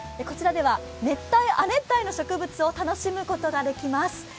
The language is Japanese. こちらでは熱帯、亜熱帯の植物を楽しむことができます。